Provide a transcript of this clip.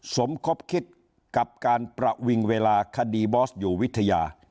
สมคบคิดกับการประวิงเวลาคดีบอสอยู่วิทยา